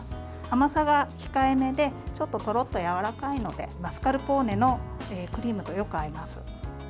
甘さが控えめで、ちょっととろっとやわらかいのでマスカルポーネのクリームとよく合います。